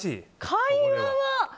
会話は。